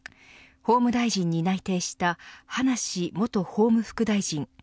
法務大臣に内定した葉梨元法務副大臣。